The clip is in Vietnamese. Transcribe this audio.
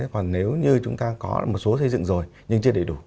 còn nếu như chúng ta có một số xây dựng rồi nhưng chưa đầy đủ